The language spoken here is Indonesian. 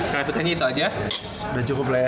klarifikasinya itu aja udah cukup lah ya